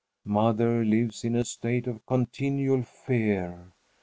Mother lives in a state of continual fear.